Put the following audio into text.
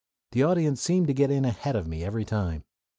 The audience seemed to get in ahead of me every time.